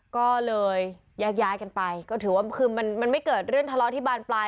ก็เลยแยกย้ายกันไปก็ถือว่าคือมันไม่เกิดเรื่องทะเลาะที่บานปลาย